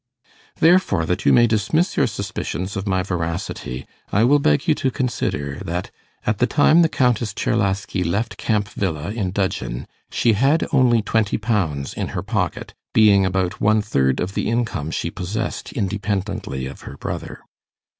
Therefore, that you may dismiss your suspicions of my veracity, I will beg you to consider, that at the time the Countess Czerlaski left Camp Villa in dudgeon, she had only twenty pounds in her pocket, being about one third of the income she possessed independently of her brother.